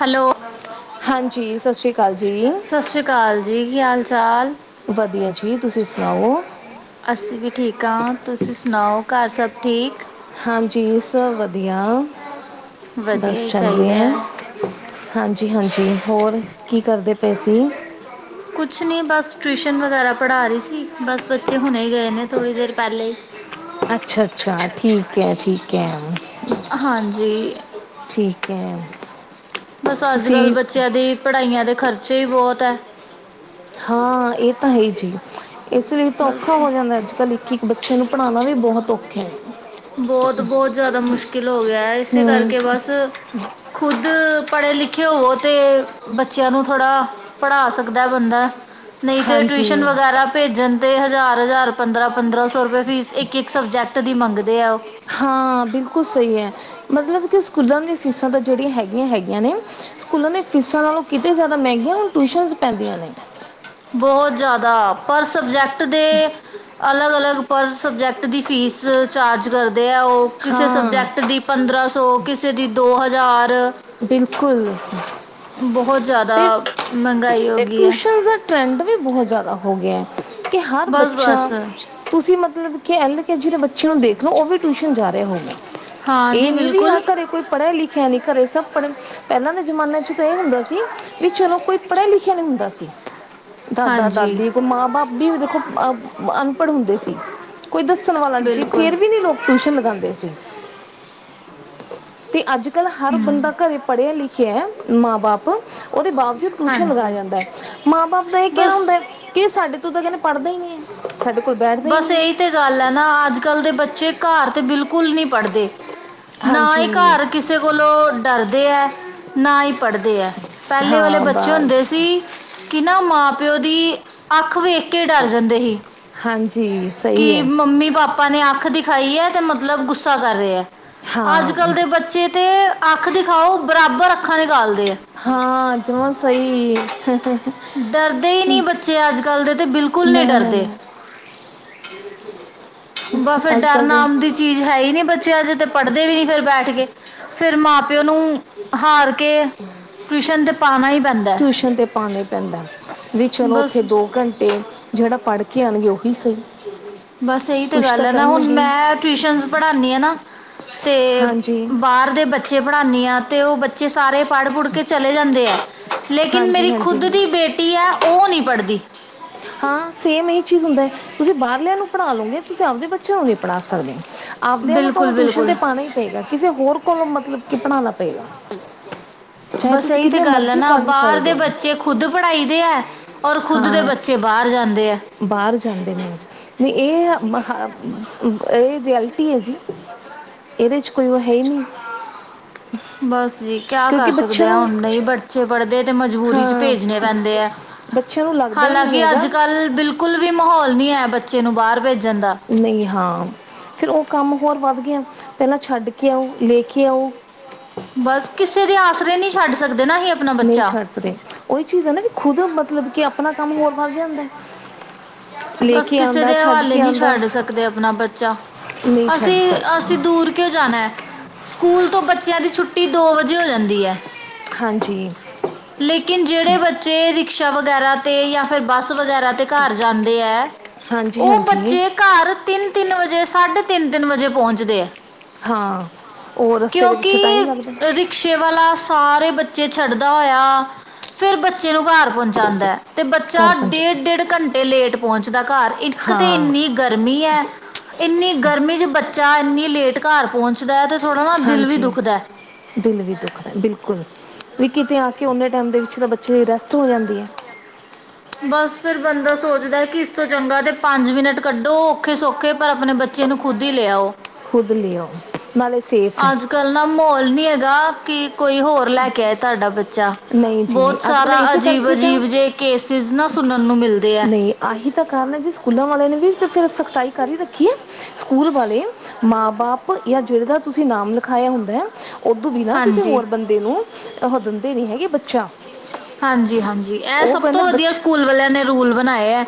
Hello ਹਾਂਜੀ ਸਤਿ ਸ਼੍ਰੀ ਅਕਾਲ ਜੀ ਸਤ ਸ਼੍ਰੀ ਅਕਾਲ ਜੀ। ਕੀ ਹਾਲ-ਚਾਲ? ਵਧੀਆ ਜੀ ਤੁਸੀ ਸੁਨਾਓ? ਅਸੀ ਵੀ ਠੀਕ ਆ। ਤੁਸੀ ਸੁਨਾਓ ਘਰ ਸਭ ਠੀਕ? ਹਾਂਜੀ ਸਭ ਵਧੀਆ ਵਧੀਆ ਬਸ ਹੀ ਚੱਲ ਰਆ ਚਾਹੀਦਾ ਐ। ਹੈ ਹਾਂਜੀ-ਹਾਂਜੀ ਹੋਰ ਕੀ ਕਰਦੇ ਪੇ ਸੀ? ਕੁਛ ਨੀ ਬਸ ਟਿਊਸ਼ਨ ਵਗੈਰਾ ਪੜਾ ਰੀ ਸੀ। ਬਸ ਬੱਚੇ ਹੁਨੇ ਗਏ ਨੇ ਥੋੜੀ ਦੇਰ ਪੈਲੇ ਈ। ਅੱਛਾ-ਅੱਛਾ ਠੀਕ ਐ ਠੀਕ ਐ। ਹਾਂਜੀ। ਠੀਕ ਐ। ਬੱਸ, ਅੱਜ ਕੱਲ ਬੱਚਿਆਂ ਦੀ ਪੜ੍ਹਾਈਆਂ ਦੇ, ਖ਼ਰਚੇ ਹੀ ਬਹੁਤ ਐ। [inaudible] ਹਾਂ ਇਹ ਤਾਂ ਹੈ ਹੀ ਜੀ ਇਸ ਲਈ ਤਾਂ ਔਖਾ ਹੋ ਜਾਂਦਾ ਅੱਜ ਕੱਲ੍ਹ ਇੱਕ ਇੱਕ ਬੱਚੇ ਨੂੰ ਪੜ੍ਹਾਉਣਾ ਵੀ ਬਹੁਤ ਔਖਾ ਹੈ ਬੋਤ- ਬੋਤ [unintelligible] ਜ਼ਿਆਦਾ ਮੁਸ਼ਕਿਲ ਹੋ ਗਿਆ ਆ ਏ। ਇਸੇ ਹਮ ਕਰਕੇ ਬੱਸ ਖੁਦ ਪੜ੍ਹੇ ਲਿਖੇ ਹੋਵੋ। ਤੇ ਬੱਚਿਆਂ ਨੂੰ ਥੋੜ੍ਹਾ ਪੜ੍ਹਾ ਸਕਦਾ ਬੰਦਾ ਨਹੀਂ ਤੇ, ਟਿਊਸ਼ਨ ਹਾਂਜੀ ਵਗੈਰਾ ਭੇਜਣ ਤੇ ਹਜ਼ਾਰ-ਹਜ਼ਾਰ ਪੰਦਰਾਂ-ਪੰਦਰਾਂ ਸੌ ਰੁਪਏ, ਫੀਸ ਇੱਕ-ਇੱਕ ਸਬਜੈਕਟ ਦੀ ਮੰਗਦੇ ਆ। ਉਹ ਹਾਂ ਬਿਲਕੁਲ ਸਹੀ ਐ। ਮਤਲਬ ਕਿ ਸਕੂਲਾਂ ਦੀਆਂ ਫੀਸਾਂ ਤਾਂ ਜਿਹੜੀਆਂ ਹੈਗੀਆਂ-ਹੈਗੀਆਂ ਨੇ ਸਕੂਲਾਂ ਦੇ ਫੀਸਾਂ ਨਾਲੋਂ ਕਿਤੇ ਜ਼ਿਆਦਾ ਮਹਿੰਗੀਆਂ, ਟਿਊਸ਼ਨ ਪੈਂਦੀਆਂ ਨੇ। ਬਹੁਤ ਜ਼ਿਆਦਾ, ਪਰ ਸਬਜੈਕਟ ਦੇ ਅਲਗ -ਅਲਗ ਪਰ ਸਬਜੈਕਟ ਦੀ ਫੀਸ ਚਾਰਜ ਕਰ ਦੇ ਉਹ ਕਿਸੇ ਹਾਂ ਸਬਜੈਕਟ ਦੀ ਪੰਦਰਾਂ ਸੌ, ਕਿਸੇ ਦੀ ਦੋ ਹਜ਼ਾਰ ਬਿਲਕੁਲ। ਬਹੁਤ ਤੇ ਜਾਦਾ, ਮਹਿਗਾਈ ਤੇ ਹੋਗੀ ਐ। ਟਿਊਸ਼ਨ ਦਾ ਟਰੈਂਡ ਵੀ ਬਹੁਤ ਜਾਦਾ ਹੋ ਗਿਆ, ਕਿ ਹਰ ਬਸ ਬਸ ਬੱਚਾ ਤੁਸੀਂ ਮਤਲਬ ਕੇ ਐਲ- ਕੇ- ਜੀ ਦੇ ਬੱਚੇ ਨੂੰ ਦੇਖ ਲੋ, ਉਹ ਵੀ ਟੂਸ਼ਨ ਜਾ ਰਿਆ ਹੋਉਗਾ, ਹਾਂ ਜੀ ਇਹ ਨੀ ਵੀ ਹਾਂ ਬਿਲਕੁਲ ਘਰੇ ਕੋਈ ਪੜ੍ਹਿਆ- ਲਿਖਿਆ ਨੀ ਘਰੇ ਸਭ ਪੜੇ, -ਪਹਿਲਾਂ ਦੇ ਜਮਾਨੇ ਚ ਤਾਂ ਇਹ ਹੁੰਦਾ ਸੀ, ਵੀ ਚਲੋ ਕੋਈ ਪੜਿਆ- ਲਿਖਿਆ ਨੀ ਹੁੰਦਾ ਸੀ। ਦਾਦਾ ਹਾਂਜੀ -ਦਾਦੀ ਕੋਈ ਮਾਂ -ਬਾਪ ਵੀ ਦੇਖੋ, ਅ -ਅਨਪੜ੍ਹ ਹੁੰਦੇ ਸੀ। ਕੋਈ ਦੱਸਣ ਵਾਲਾ ਨੀ ਸੀ, ਬਿਲਕੁਲ ਫੇਰ ਵੀ ਨੀ ਲੋਕ ਟੂਸ਼ਨ ਲਗਾਂਦੇ ਸੀ। ਅੱਜ -ਕੱਲ੍ਹ ਹਰ ਹਮ ਬੰਦਾ ਘਰੇ ਪੜ੍ਹਿਆ - ਲਿਖਿਆ ਐ, ਮਾਂ- ਬਾਪ ਓਦੇ ਬਾਵਜੂਦ ਟੂਸ਼ਨ ਲਗਾਇਆ ਹਾਂਜੀ ਜਾਂਦਾ ਐ। ਮਾਂ ਬਾਪ ਦਾ ਇਹ ਕਹਿਣਾ ਬਸ ਹੁੰਦਾ, ਕਿ ਸਾਡੇ ਤੋਂ ਤਾਂ ਕਹਿੰਦੇ ਪੜ੍ਹਦਾ ਈ ਨੀ ਐ, ਸਾਡੇ ਕੋਲ ਬੈਠਦਾ ਹੀ ਬੱਸ ਨਹੀਂ ਹੈ ਇਹੀ ਤੇ ਗੱਲ ਹੈਨਾ, ਅੱਜ- ਕੱਲ੍ਹ ਦੇ ਬੱਚੇ ਘਰ ਤੇ ਬਿਲਕੁਲ ਨੀ ਪੜ੍ਹਦੇ। ਨਾ ਇਹ ਹਾਂਜੀ ਘਰ ਕਿਸੇ ਕੋਲੋਂ ਡਰਦੇ ਹੈ, ਨਾ ਈ ਪੜ੍ਹਦੇ ਐ। ਪੈਲੇ ਵਾਲੇ ਹਾਂ ਬੱਚੇ ਹੁੰਦੇ ਬਸ ਸੀ ਕਿ ਨਾ ਮਾਂ ਪਿਓ ਦੀ, ਅੱਖ ਵੇਖ ਕੇ ਡਰ ਜਾਂਦੇ ਸੀ। ਹਾਂਜੀ ਕੀ ਸਹੀ ਹੈ ਮੰਮੀ- ਪਾਪਾ ਪਾਪਾ ਨੇ ਅੱਖ ਦਿਖਾਈ ਐ, ਤੇ ਮਤਲਬ ਗੁੱਸਾ ਕਰ ਰਏ ਐ, ਅੱਜ - ਹਾਂ ਕੱਲ ਦੇ ਬੱਚੇ ਤੇ ਅੱਖ ਦਿਖਾਓ, ਬਰਾਬਰ ਅੱਖਾਂ ਨਿਕਾਲਦੇ ਔ। ਹਾਂ ਜਮਾ ਸਹੀ। ਡਰਦੇ ਈ ਨੀ ਬੱਚੇ, ਅੱਜ - ਕੱਲ ਦੇ ਤੇ ਬਿਲਕੁਲ ਨੀ ਨਾ ਨਾ ਡਰਦੇ। ਨਾ ਬੱਸ ਅੱਜ ਡਰ ਕੱਲ ਦੇ ਨਾਮ ਦੀ ਚੀਜ਼ ਹੈ ਈ ਨੀ ਬੱਚਿਆਂ ਚ ਤੇ ਪੜ੍ਹਦੇ ਵੀ ਨੀ, ਫਿਰ ਬੈਠ ਕੇ, ਫਿਰ ਮਾਂ - ਪਿਓ ਨੂੰ ਹਾਰ ਕੇ, ਟੂਸ਼ਨ ਤੇ ਪਾਨਾ ਈ ਪੈਨਦੈ ਟੂਸ਼ਨ ਤੇ ਪਾਨਾ ਈ ਪੈਂਦਾ। ਵੀ ਹੈ। ਚਲੋ, ਬਸ ਉੱਥੇ ਦੋ ਘੰਟੇ, ਜੇੜਾ ਪੜ੍ਹ ਕੇ ਆਣਗੇ ਉਹੀ ਸਹੀ। ਬੱਸ ਇਹੀ ਤਾਂ ਕੁਛ ਗੱਲ ਹੈਨਾ, ਹੁਣ ਕਰਨਗੇ ਮੈਂ ਟਿਯੂਸ਼ਨਸ ਪੜ੍ਹਾਨੀ ਆਨਾ, ਤੇ ਹਾਂਜੀ ਬਾ ਬਾਰ ਦੇ ਬੱਚੇ ਪੜ੍ਹਾਨੀਆਂ ਤੇ, ਉਹ ਬੱਚੇ ਸਾਰੇ ਪੜ੍ਹ- ਪੁੜ੍ਹ ਕੇ ਚਲੇ ਜਾਂਦੇ ਐ। ਲੇਕਿਨ ਹਾਂਜੀ ਮੇਰੀ ਖੁਦ ਹਾਂਜੀ ਦੀ ਬੇਟੀ ਐ, ਉਹ ਨੀ ਪੜ੍ਹਦੀ। ਹਾਂ, ਸੇਮ ਇਹੀ ਚੀਜ਼ ਹੁੰਦਾ ਐ, ਤੁਸੀਂ ਬਾਹਰਲਿਆਂ ਨੂੰ ਪੜ੍ਹਾ ਲੋਗੇ, ਤੁਸੀਂ ਆਪਦੇੇ ਬ ਚਿਆ ਨੂੰ ਨੀ ਪੜ੍ਹਾ ਸਕਦੇ, ਆਵਦਿਆਂ ਨੂੰ ਬਿਲਕੁਲ ਤੋਨੂੰ ਟੂਸ਼ਨ ਬਿਲਕੁਲ ਤੇ ਪਾਨਾ ਈ ਪੇਗਾ, ਕਿਸੇ ਹੋਰ ਕੋਲੋਂ ਮਤਲਬ ਕਿ ਪੜ੍ਹਾਨਾ ਪਏਗਾ। ਚਾਹੇ ਬੱਸ ਤੁਸੀਂ ਏਹੀ ਤੇ ਕਿੰਨੇ ਗੱਲ ਮਰਜ਼ੀ ਐਨਾ, ਬਾਰ ਕੁਆਲੀਫਾਈਡ ਦੇ ਹੋ ਬੱਚੇ ਖੁਦ ਪੜ੍ਹਾਈ ਦੇ ਐ, ਔਰ ਖੁਦ ਦੇ ਬੱਚੇ ਬਾਰ ਜਾਂਦੇ ਐ। ਬਾਰ ਜਾਂਦੇ ਨੇ। ਨੀ ਏਹ ਮ ਹ ਏ ਰਿਐਲਟੀ ਐ ਜੀ। ਏਦੇ ਚ ਕੋਈ ਓ ਹੈ ਈ ਨੀ। ਬਾੱਸ ਜੀ ਕੇਆ ਕਿਉਂਕਿ ਕਰ ਸਕਦੇ ਬੱਚਿਆਂ ਆ ਨੂੰ ਹੁਨ ਨਈ ਬਟ ਬੱਚੇ ਪੜਦੇ ਐ ਤੇ ਮਜਬੂਰੀ ਚ ਹਾਂ ਭੇਜਣੇ ਪੈਂਦੇ ਐ, ਬੱਚਿਆਂ ਨੂੰ ਲੱਗਦਾ ਹੀ ਨਹੀਂ ਹਾਲਾਂਕਿ ਹੈਗਾ ਅੱਜ-ਕੱਲ ਬਿਲ- ਬਿਲਕੁਲ ਵੀ ਮਹੌਲ ਨੀ ਐ ਬੱਚੇ ਨੂੰ ਬਾਰ ਭੇਜਨ ਦਾ। ਨਈ, ਹਾਂ ਫੇਰ ਓ ਕੰਮ ਹੋਰ ਵੱਧ ਗੇਆ, ਪੈਲਾਂ ਛੱਡ ਕੇ ਆਓ, ਲੇਕੇ ਆਓ। ਬਾੱਸ ਕਿਸੇ ਦੇ ਆਸਰੇ ਨੀ ਛਾੱਡ ਸਕਦੇ ਨਾ ਏਹੇ ਨਈ ਛਾੱਡ ਸਕਦੇ, ਓਈ ਚੀਜ਼ ਐ ਨਾ ਵੀ ਖੁਦ ਮਤਲਬ ਕੇ ਆਪਨਾ ਕਾੰਮ ਹੋਰ ਵੱਧ ਜਾਂਦੈ। ਬਾੱਸ ਕਿਸੇ ਦੇ ਹਵਾਲੇ ਨੀ ਛਾੱਡ ਸਕਦੇ ਆਪਨਾ ਬੱਚਾ, ਨਹੀਂ ਅਸੀ ਛੱਡ ਅ ਸਕਦਾ ਅਸੀ ਦੂਰ ਕਯੋ ਜਾਨੈ। ਸਕੂਲ ਤੋ ਬੱਚੇਆਂ ਦੀ ਛੁੱਟੀ ਦੋ ਵਜੇ ਹੋ ਜਾਂਦੀ ਐ। ਹਾਂਜੀ। ਲੇਕਿਨ ਜੇੜੇ ਬੱਚੇ ਰਿਕਸ਼ਾ ਵਗੈਰਾ ਤੇ ਯਾ ਫੇਰ ਬਾੱਸ ਵਗੈਰਾ ਤੇ ਘਾਰ ਜਾਨ ਦੇ ਐ ਹਾਂਜੀ ਓ ਹਾਂਜੀ ਬੱਚੇ ਘਾਰ ਤਿੰਨ-ਤਿੰਨ ਵਜੇ, ਸਾਢੇ ਤਿੰਨ-ਤਿੰਨ ਵਜੇ ਪੋਂਚਦੇ ਐ। ਹਾਂ, ਓ ਰਸਤੇ ਦੇ ਵਿੱਚੋਂ ਕਿਉਂਕਿ ਟਾਈਮ ਲੱਗਦੈ। ਰਿਕਸ਼ੇ ਵਾਲਾ ਸਾਰੇ ਬੱਚੇ ਛੱਡਦਾ ਹੋਏਆ, ਫੇਰ ਬੱਚੇ ਨੂੰ ਘਾਰ ਪੋਂਚਾਂਦੈ। ਤੇ ਘਰ ਬੱਚਾ ਪਹੁੰਚਣ ਡੇੜ-ਡੇੜ ਘੰਟੇ ਲੇਟ ਪੋਂਚਦਾ ਘਾਰ, ਇੱਕ ਤੇ ਹਾਂ ਇੰਨੀ ਗਰਮੀ ਐ, ਇੰਨੀ ਗਰਮੀ ਚ ਬੱਚਾ ਇੰਨੀ ਲੇਟ ਘਾਰ ਪੋਂਚਦੈ ਤੇ ਹਾਂਜੀ, ਦਿਲ ਵੀ ਦੁੱਖਦੈ ਬਿਲਕੁਲ। ਵੀ ਕਿਤੇ ਆ ਕੇ ੳਨੇ ਟਾਈਮ ਦੇ ਵਿੱਚ ਤਾ ਬੱਚੇ ਲਈ ਰੈਸਟ ਹੋ ਜਾਂਦੀ ਐ। ਬਾੱਸ ਫੇਰ ਬੰਦਾ ਸੋਚਦੈ ਕਿ ਇਸ ਤੋਂ ਚੰਗਾ ਤੇ ਪੰਜ ਮਿੰਟ ਕੱਢੋ ਔਖੇ-ਸੌਖੇ, ਪਰ ਆਪਨੇ ਬੱ ਬੱਚੇ ਨੂੰ ਖੁਦ ਈ ਲੇਆਓ। ਖੁਦ ਲੇਆਓ ਨਾਲੇ ਸੇਫ ਏ। ਅੱਜ ਕੱਲ ਨਾ ਮੌਲ ਨੀ ਹਗਾ, ਕਿ ਕੋਈ ਹੋਰ ਲੈ ਕੇ ਆਏ ਤਾੱਡਾ ਬੱਚਾ, ਨਹੀਂ ਜੀ ਨਹੀਂ ਬੋਤ ਅੱਜ ਕੱਲ੍ਹ ਸਾਰਾ ਇਸੇ ਕਰਕੇ ਤਾਂ ਅਜੀਬ-ਅਜੀਬ ਜੇ ਕੇਸਿਸ ਨਾ, ਸੁਨਨ ਨੂੰ ਮਿਲਦੇ ਐ। ਨਹੀਂ ਆਹੀ ਤਾਂ ਕਾਰਨ ਹੈ ਜੀ ਸਕੂਲਾਂ ਵਾਲੇ ਨੇ ਵੀ ਫਿਰ ਸਖਤਾਈ ਕਰ ਈ ਰੱਖੀ ਏ। ਸਕੂਲ ਵਾਲੇ ਮਾਂ-ਬਾਪ ਯਾ ਜਿਦੇ ਦਾ ਤੁਸੀ ਨਾਮ ਲਿਖਵਾਯਾ ਹੁੰਦੈ। ਓੱਦੋ ਵੀ ਨਾ ਕਿਸੇ ਹਾਂਜੀ ਹੋਰ ਬੰਦੇ ਨੂੰ, ਓਹ ਦਿੰਦੇ ਨੀ ਹੈਗੇ ਬੱਚਾ। ਹਾਂਜੀ-ਹਾਂਜੀ ਐ ਉਹ ਸਬ ਕਹਿੰਦੇ ਤੋਂ ਵਦੀਆ ਬੱਚਾ ਸਕੂਲ ਵਾਲੇਆਂ ਨੇ ਰੂਲ ਬਨਾਏ ਐ।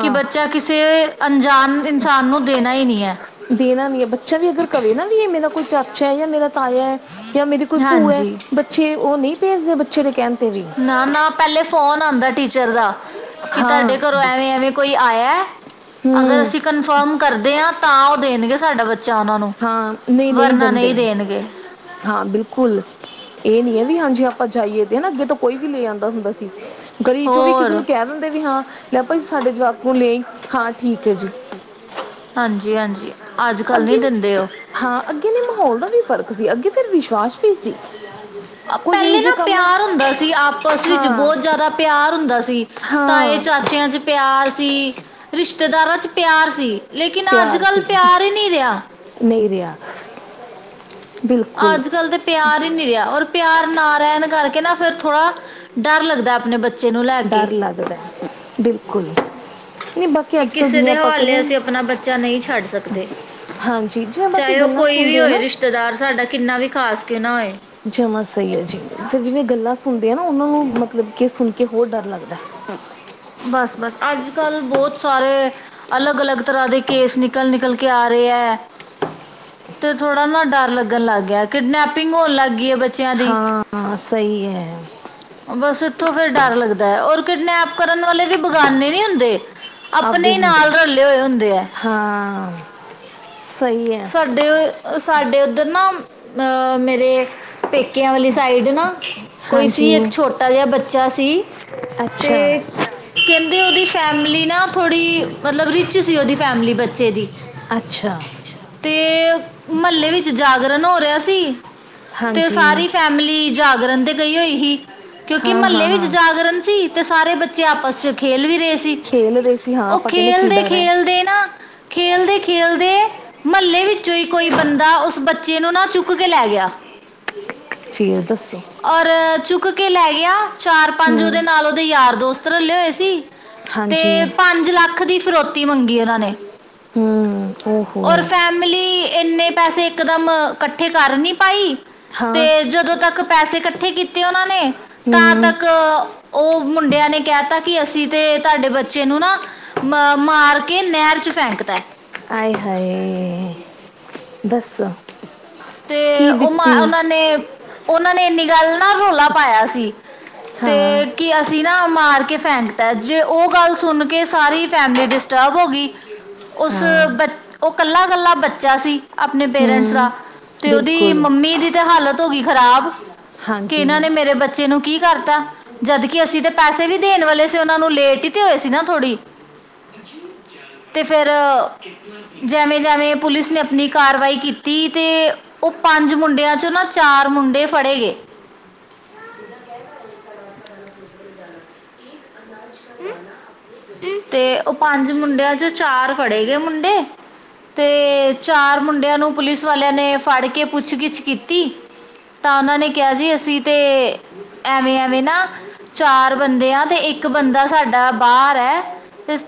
ਕਿ ਬੱਚਾ ਕਿਸੇ ਅਨਜਾਨ ਇਨਸਾਨ ਨੂੰ ਦੇਨਾ ਈ ਨੀ ਐ। ਦੇਨਾ ਵੀ ਐ, ਬੱਚਾ ਵੀ ਅਗਰ ਕਵੇ ਨਾ ਵੀ ਐ ਮੇਰਾ ਕੋਈ ਚਾਚਾ ਐ ਯਾ ਮੇਰਾ ਤਾਯੈ। ਯਾ ਮੇਰੀ ਕੋਈ ਭੂਐ, ਹਾਂਜੀ ਬੱਚੇ ਓ ਨੀ ਪੇਜ਼ਦੇ ਬੱਚੇ ਦੇ ਕੈਨ ਤੇ ਵੀ। ਨਾ-ਨਾ ਪੈਲੇ ਫੋਨ ਆਂਦੈ ਟੀਚਰ ਦਾ ਕਿ ਹਾਂ ਤਾਡੇ ਘਰੋਂ ਐਵੇਂ-ਐਵੇਂ ਕੋਈ ਆਯੈ। ਅਗਰ ਹਮ ਅਸੀ ਕਨਫਰਮ ਕਰਦੇ ਆਂ, ਤਾਂ ਓ ਦੇਨਗੇ ਸਾਡਾ ਬੱਚਾ ਓਨਾਂ ਨੂੰ ਹਾਂ, ਨਈ-ਨਈ ਵਰਨਾ ਦਿੰਦੇ। ਨਹੀਂ ਦੇਣਗੇ ਹਾਂ ਬਿਲਕੁਲ, ਏ ਨੀ ਐ ਵੀ ਹਾਂਜੀ ਆਪਾਂ ਜਾਈਏ ਤੇ ਹਨਾ ਅੱਗੇ ਤੋਂ ਕੋਈ ਵੀ ਲੈ ਆਂਦਾ ਹੁੰਦਾ ਸੀ। ਗਲੀ ਚੋਂ ਵੀ ਕਿਸੇ ਹੋਰ ਨੂੰ ਕੈ ਦਿੰਦੇ ਵੀ ਹਾਂ ਲੈ ਪਈ ਸਾਡੇ ਜਵਾਕ ਨੂੰ ਲੇਆਈਂ ਹਾਂ, ਠੀਕ ਹੈ ਜੀ। ਹਾਂਜੀ-ਹਾਂਜੀ, ਅੱਜ-ਕੱਲ ਨੀ ਅੱਗੇ ਦਿੰਦੇ ਓ। ਹਾਂ, ਅੱਗੇ ਨਈ ਮਾਹੌਲ ਦਾ ਵੀ ਫ਼ਰਕ ਸੀ, ਅੱਗੇ ਫੇਰ ਵਿਸ਼ਵਾਸ ਵੀ ਸੀ। ਕੋਈ ਇਹੋ ਪੈਲੇ ਜਿਹੇ ਨਾ ਕੰਮ ਪੇਆਰ ਹੁੰਦਾ ਸੀ ਆਪਸ ਵਿੱਚ ਹਾਂ ਬੋਤ ਜਾਦਾ ਪੇਆਰ ਹੁੰਦਾ ਸੀ। ਤਾਏ, ਹਾਂ ਚਾਚੇਆਂ ਚ ਪੇਆਰ ਸੀ ਰਿਸ਼ਤੇਦਾਰਾਂ ਚ ਪੇਆਰ ਸੀ ਲੇਕਿਨ ਅੱਜ-ਕੱਲ ਪੇਆਰ ਈ ਨੀ ਰੇਆ। ਨਈ ਰੇਆ। ਅੱਜ-ਕੱਲ ਤੇ ਪਿਆਰ ਈ ਨੀਂ ਰਿਆ, ਔਰ ਪਿਆਰ ਨਾ ਰੈਣ ਕਰਕੇ ਨਾਂ ਫਿਰ ਥੋੜਾ, ਡਰ ਲੱਗਦਾ ਆਪਣੇ ਬੱਚੇ ਨੂੰ ਲੈ ਕੇ ਡਰ ਲੱਗਦਾ ਬਿਲਕੁਲ। ਬਾਕੀ ਕਿ ਅੱਜ ਕੱਲ੍ਹ ਕਿਸੇ ਜਿਵੇਂ ਦੇ ਆਪਾਂ ਕਹਿੰਦੇ ਹਵਾਲੇ ਅਸੀਂ ਆਪਣਾ ਬੱਚਾ ਨਈਂ ਛੱਡ ਸਕਦੇ। ਹਾਂਜੀ, ਜਿਵੇਂ ਬਾਕੀ ਚਾਹੇ ਉਹ ਗੱਲਾਂ ਕੋਈ ਵੀ ਸੁਣਦੇ ਏ ਹੋਏ ਨਾਂ ਰਿਸ਼ਤੇਦਾਰ ਸਾਡਾ ਕਿੰਨਾ ਵੀ ਖਾਸ ਕਿਉਂ ਨਾਂ ਹੋਏ। ਜਮਾਂ ਸਈ ਐ ਜੀ। ਫੇਰ ਜਿਵੇਂ ਗੱਲਾਂ ਸੁਣਦੇ ਆਂ ਨਾ, ਓਨਾਂ ਨੂੰ ਮਤਲਬ ਕੇ ਸੁਣ ਕੇ ਹੋਰ ਡਰ ਲੱਗਦਾ। ਬਸ-ਬਸ ਅੱਜ-ਕਲ ਬੋਤ ਸਾਰੇ ਅਲੱਗ-ਅਲੱਗ ਤਰ੍ਹਾਂ ਦੇ ਕੇਸ ਨਿਕਲ-ਨਿਕਲ ਕੇ ਆ ਰੇ ਐ। ਤੇ ਥੋੜਾ ਨਾਂ ਡਰ ਲੱਗਣ ਲੱਗ ਗਿਆ। ਕਿਡਨੈਪਿੰਗ ਹੋਣ ਲੱਗ ਗਈਏ ਬਚ ਹਾਂ, ਸਈ ਐ। ਬਸ ਇੱਥੋਂ ਫਿਰ ਡਰ ਲੱਗਦਾ ਐ, ਔਰ ਕਿਡਨੈਪ ਕਰਨ ਵਾਲੇ ਵੀ ਬਗਾਨੇ ਨੀਂ ਹੁੰਦੇ। ਆਪਦੇ ਆਪਣੇ ਈ ਹੁੰਦੇ ਨਾਲ ਰਲੇ ਹੋਏ ਹੁੰਦੇ ਐ। ਹਾਂ, ਸਈ ਐ। ਡ, ਸਾਡੇ ਉੱਧਰ ਨਾਂ ਅਹ ਮੇਰੇ ਪੇਕਿਆਂ ਵਾਲੀ ਸਾਈਡ ਨਾ ਕੋਈ ਹਾਂਜੀ ਸੀ ਇੱਕ ਛੋਟਾ ਜਿਆ ਬੱਚਾ ਸੀ ਤੇ ਅੱਛਾ ਕੈਂਦੇ ਓਦੀ ਫੈਮਿਲੀ ਨਾਂ ਥੋੜੀ ਮਤਲਬ ਰਿੱਚ ਸੀ, ਓਦੀ ਫੈਮਿਲੀ ਬੱਚੇ ਦੀ। ਅੱਛਾ। ਤੇ ਮੱਲੇ ਵਿੱਚ ਜਾਗਰਣ ਹੋ ਰਿਆ ਸੀ ਤੇ ਹਾਂਜੀ ਸਾਰੀ ਫੈਮ ਮਲੀ ਜਾਗਰਨ ਤੇ ਗਈ ਹੋਈ ਹੀ ਕਿਉਂਕਿ ਹਾਂ ਮੱਲੇ ਹਾਂ ਵਿੱਚ ਹਾਂ ਜਾਗਰਨ ਸੀ ਤੇ ਸਾਰੇ ਬੱਚੇ ਆਪਸ ਚ ਖੇਲ ਵੀ ਰੇ ਸੀ। ਖੇਲ ਰਹੇ ਸੀ ਹਾਂ ਓ ਆਪਾਂ ਕਹਿੰਦੇ ਕੀ ਡਰ ਹੈ ਖੇਲਦੇ-ਖੇਲਦੇ ਨਾਂ ਖੇਲਦੇ-ਖੇਲਦੇ ਮੁਹੱਲੇ ਵਿੱਚੋਂ ਈ ਕੋਈ ਬੰਦਾ ਉਸ ਬੱਚੇ ਨੂੰ ਨਾਂ ਚੁੱਕ ਕੇ ਲੈ ਗਿਆ। ਫੇਰ ਦੱਸੋ ਔਰ ਚੁੱਕ ਕੇ ਲੈ ਗਿਆ, ਚਾਰ-ਪੰਜ ਓਦੇ ਹੂੰ ਨਾਲ ਓ ਦੇ ਯਾਰ ਦੋਸਤ ਰਲੇ ਹੋਏ ਸੀ ਤੇ ਹਾਂਜੀ ਪੰਜ ਲੱਖ ਦੀ ਫਰੋਤੀ ਮੰਗੀ ਓਨਾਂ ਨੇ। ਹਂ। ਔਰ ਫੈਮਲੀ ਏਨੇਂ ਪੈਸੇ ਇਕਦਮ ਕੱਠੇ ਕਰ ਨੀਂ ਪਾਈ ਤੇ ਹਾਂ ਜਦੋਂ ਤੱਕ ਪੈਸੇ ਕੱਠੇ ਕੀਤੇ ਓਨਾਂ ਨੇ ਤਾਂ ਹੂੰ ਤੱਕ ਓ ਮੁੰਡਿਆਂ ਨੇ ਕੈ ਤਾ ਕਿ ਅਸੀਂ ਤੇ ਤਾਡੇ ਬੱਚੇ ਨੂੰ ਨਾਂ ਮ ਮਾਰ ਕੇ ਨਹਿਰ ਚ ਫੈਂਕਤਾ। ਆਏ ਹਾਏ! ਦੱਸੋ? ਤੇ ਓ ਮਾ ਓਨਾਂ ਨੇ ਓਨਾਂ ਨੇਂ ਏਨੀਂ ਗੱਲ ਨਾਂ ਰੌਲਾ ਪਾਇਆ ਸੀ ਤੇ ਹਾਂ ਕੀ ਅਸੀ ਸੀ ਨਾਂ ਮਾਰ ਕੇ ਫੈਂਕਤਾ ਜੇ ਓ ਗੱਲ ਸੁਣ ਕੇ ਸਾਰੀ ਫੈਮਿਲੀ ਡਿਸਟਰਬ ਹੋ ਗੀ ਉਸ ਹਾਂ ਬਚ ਓ ਕੱਲਾ-ਕੱਲਾ ਬੱਚਾ ਸੀ ਆਪਣੇ ਪੇਰੈਂਟਸ ਦਾ। ਹੂੰ ਤੇ ਓਦੀ ਬਿਲਕੁਲ ਮੰਮੀ ਦੀ ਤੇ ਹਾਲਤ ਹੋ ਗੀ ਖ਼ਰਾਬ ਕਿ ਏਨਾਂ ਹਾਂਜੀ ਨੇ ਮੇਰੇ ਬੱਚ ਚੇ ਨੂੰ ਕੀ ਕਰਤਾ ਜਦਕਿ ਅਸੀਂ ਤੇ ਪੈਸੇ ਵੀ ਦੇਣ ਵਾਲੇ ਸੀ ਓਨਾਂ ਨੂੰ ਲੇਟ ਈ ਤੇ ਹੋਏ ਸੀ ਨਾ ਥੋੜੀ ਤੇ ਫਿਰ ਜੇਵੇਂ ਜੇਵੇਂ ਪੁਲਿਸ ਨੇ ਆਪਣੀ ਕਾਰਵਾਈ ਕੀਤੀ ਤੇ ਓ ਪੰਜ ਮੁੰਡਿਆਂ ਚੋਂ ਨਾ ਚਾਰ ਮੁੰਡੇ ਫੜੇ ਗੇ। [inaudible] [inaudible] ਤੇ ਓ ਪੰਜ ਮੁੰਡਿਆਂ ਚੋਂ ਚਾਰ ਫੜੇ ਗਏ ਮੁੰਡੇ ਤੇ ਚਾਰ ਮੁੰਡਿਆਂ ਨੂੰ ਪੁਲਿਸ ਵਾਲਿਆਂ ਨੇ ਫੜ ਕੇ ਪੁੱਛਗਿੱਛ ਕੀਤੀ। ਤਾਂ ਉਹਨਾਂ ਨੇ ਕਿਆ ਸੀ, ਅਸੀਂ ਤੇ ਐਵੇਂ-ਐਵੇਂ ਨਾ ਚਾਰ ਬੰਦੇ ਆ, ਤੇ ਇੱਕ ਬੰਦਾ ਸਾਡਾ ਬਾਹਰ ਐ।